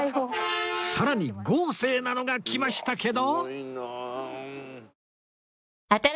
さらに豪勢なのが来ましたけど？